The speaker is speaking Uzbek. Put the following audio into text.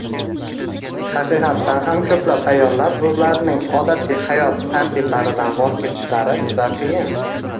Haqiqatdan ham ko‘plab ayollar o‘zlarining odatiy hayot tartiblaridan voz kechishlari juda qiyin.